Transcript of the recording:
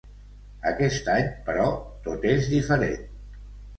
Aquest any, però, tot és diferent.